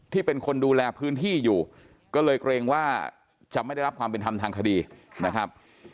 เป็นคนดูแลพื้นที่อยู่ก็เลยเกรงว่าจะไม่ได้รับความเป็นธรรมทางคดีนะครับ